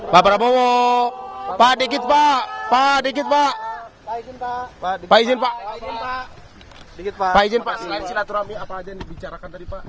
bababowo pak dikit pak pak dikit pak pak dikit pak dikit pak dikit pak